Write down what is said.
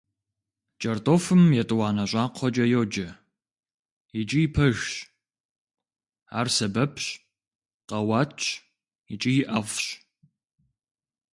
КӀэртӀофым «етӀуанэ щӀакхъуэкӀэ» йоджэ, икӀи пэжщ, ар сэбэпщ, къэуатщ икӀи ӀэфӀщ.